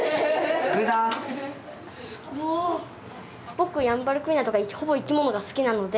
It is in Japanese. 僕ヤンバルクイナとか生き物が好きなので。